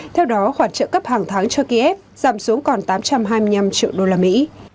theo đó khoản trợ cấp hàng tháng cho kiev giảm xuống còn tám trăm hai mươi năm triệu đô la mỹ